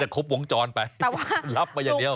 ครบวงจรไปรับมาอย่างเดียว